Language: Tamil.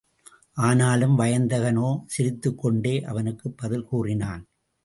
ஆனால், வயந்தகனோ சிரித்துக்கொண்டே அவனுக்குப் பதில் கூறினான்.